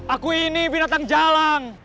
aku ini binatang jalan